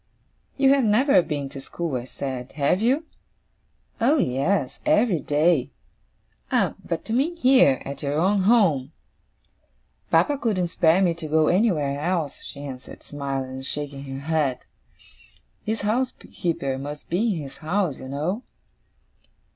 'You have never been to school,' I said, 'have you?' 'Oh yes! Every day.' 'Ah, but you mean here, at your own home?' 'Papa couldn't spare me to go anywhere else,' she answered, smiling and shaking her head. 'His housekeeper must be in his house, you know.